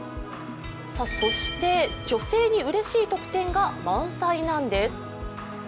そして女性にうれしい特典が満載なんです。